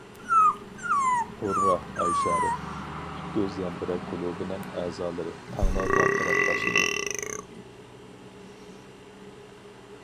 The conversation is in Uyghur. - ھۇررا، ئاي شارى،- پۈتكۈل زەمبىرەك كۇلۇبىنىڭ ئەزالىرى تەڭلا ۋارقىراپ تاشلىدى.